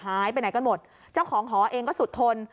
หายไปไหนกันหมดเจ้าของหอเองก็สุดทน